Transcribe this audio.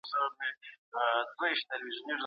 نور عوامل به هم په پرمختګ کي رول ولري.